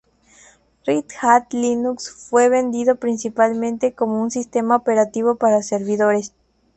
Red Hat Linux fue vendido principalmente como un sistema operativo para servidores.